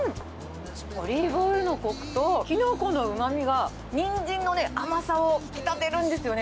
オリーブオイルのこくときのこのうまみが、ニンジンのね、甘さを引き立てるんですよね。